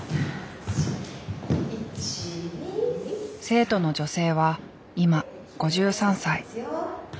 生徒の女性は今５３歳。